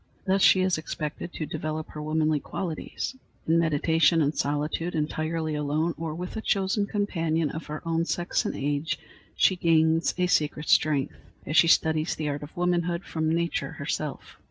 Thus she is expected to develop her womanly qualities. In meditation and solitude, entirely alone or with a chosen companion of her own sex and age, she gains a secret strength, as she studies the art of womanhood from nature herself.